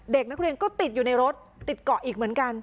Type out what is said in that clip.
เด็กนักเรียนก็ติดอยู่ในรถติดเกาะอีกเหมือนกัน